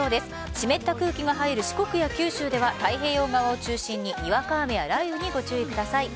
湿った空気が入る四国や九州では太平洋側を中心ににわか雨や雷雨にご注意ください。